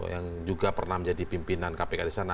yang juga pernah menjadi pimpinan kpk disana